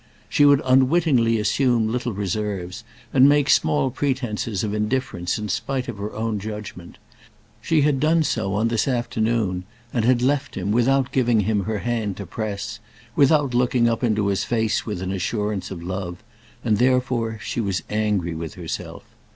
She would unwittingly assume little reserves, and make small pretences of indifference in spite of her own judgment. She had done so on this afternoon, and had left him without giving him her hand to press, without looking up into his face with an assurance of love, and therefore she was angry with herself.